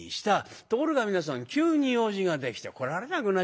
ところが皆さん急に用事ができて来られなくなっちゃった。